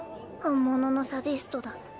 本物のサディストだ。